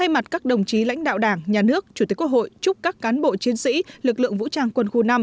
mặt các đồng chí lãnh đạo đảng nhà nước chủ tịch quốc hội chúc các cán bộ chiến sĩ lực lượng vũ trang quân khu năm